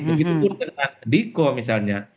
begitu pun dengan diko misalnya